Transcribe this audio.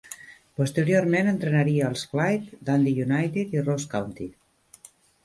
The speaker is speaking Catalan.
Posteriorment entrenaria els Clyde, Dundee United i Ross County.